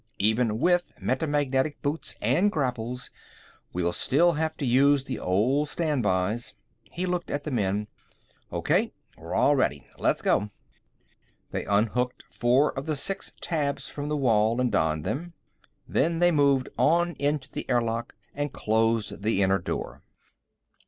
Even with metamagnetic boots and grapples, we'll still have to use the old standbys." He looked at the men. "Okay; we're all ready. Let's go." They unhooked four of the six tabs from the wall and donned them. Then they moved on into the airlock and closed the inner door.